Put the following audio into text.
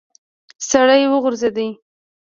سړی وغورځېد.